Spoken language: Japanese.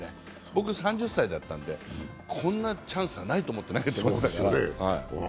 僕３０歳だったんで、こんなチャンスはないと思って投げてました。